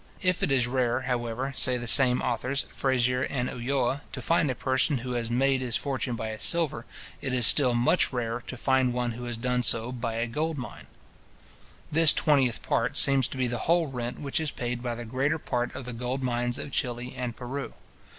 If it is rare, however, say the same authors, Frezier and Ulloa, to find a person who has made his fortune by a silver, it is still much rarer to find one who has done so by a gold mine. This twentieth part seems to be the whole rent which is paid by the greater part of the gold mines of Chili and Peru.